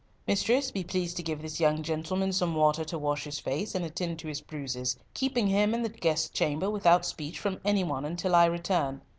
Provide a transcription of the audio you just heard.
"Mistress, be pleased to give this young gentleman some water to wash his face, and attend to his bruises, keeping him in the guest chamber without speech from any one until I return.